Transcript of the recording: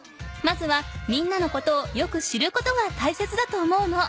まずはみんなのことをよく知ることが大切だと思うの。